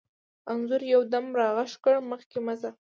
انځور یو دم را غږ کړ: مخکې مه ځه.